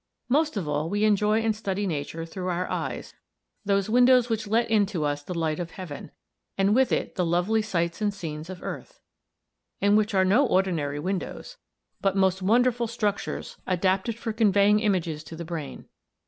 Most of all we enjoy and study nature through our eyes, those windows which let in to us the light of heaven, and with it the lovely sights and scenes of earth; and which are no ordinary windows, but most wonderful structures adapted for conveying images to the brain.